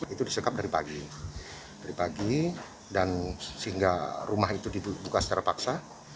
itu disekap dari pagi dari pagi dan sehingga rumah itu dibuka secara paksa